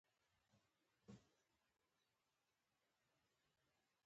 دریشي د معرفت ښکارندوی ده.